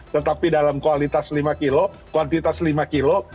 tetapi dalam kualitas lima kilo kuantitas lima kilo